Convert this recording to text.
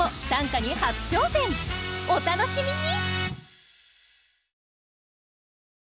お楽しみに！